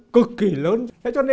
cực kỳ lớn